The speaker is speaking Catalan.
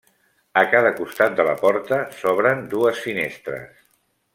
A cada costat de la porta s'obren dues finestres.